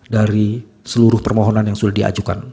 dari seluruh permohonan yang sudah diajukan